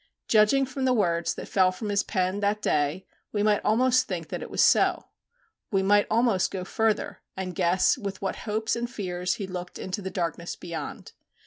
Judging from the words that fell from his pen that day we might almost think that it was so we might almost go further, and guess with what hopes and fears he looked into the darkness beyond.